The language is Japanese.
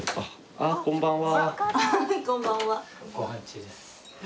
あっこんばんは。